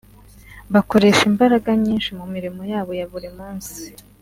bakoresha imbaraga nyinshi mu mirimo yabo ya buri munsi